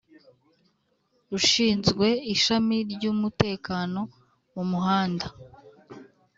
Ushinzwe ishami ry’umutekano mu muhanda